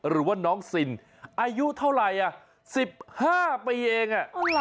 หรือว่าน้องซินอายุเท่าไหร่๑๕ปีเอง